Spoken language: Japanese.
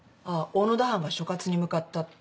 小野田班が所轄に向かったって。